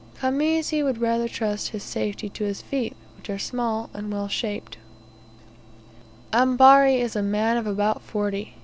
Khamisi would rather trust his safety to his feet, which are small, and well shaped. Ambari is a man of about forty.